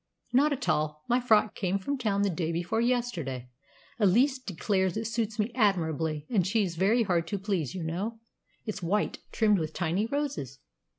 "Not at all. My frock came from town the day before yesterday. Elise declares it suits me admirably, and she's very hard to please, you know. It's white, trimmed with tiny roses."